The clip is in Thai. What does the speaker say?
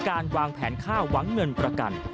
การวางแผนฆ่าหวังเงินประกัน